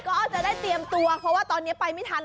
ก็จะได้เตรียมตัวเพราะว่าตอนนี้ไปไม่ทัน